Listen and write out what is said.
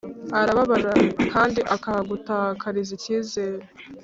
arababara kandi akagutakariza icyizere